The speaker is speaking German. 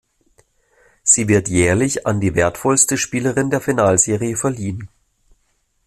Sie wird jährlich an die wertvollste Spielerin der Finalserie verliehen.